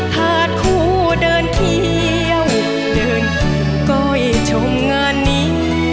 หากคู่เดินเคี้ยวเดินก้อยชมงานนี้